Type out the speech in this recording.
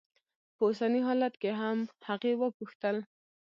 په اوسني حالت کې هم؟ هغې وپوښتل.